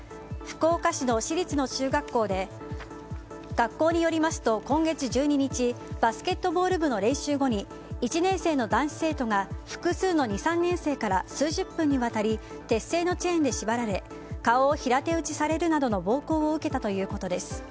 学校によりますと今月１２日バスケットボール部の練習後に１年生の男子生徒が複数の２、３年生から数十分にわたり鉄製のチェーンで縛られ顔を平手打ちされるなどの暴行を受けたということです。